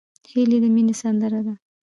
هیلۍ د مینې سندره ده